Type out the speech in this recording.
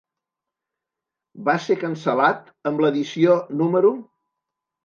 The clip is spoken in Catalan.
Va ser cancel·lat amb l'edició número.